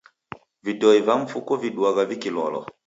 Vidoi va mfuko viduagha vikilolwa.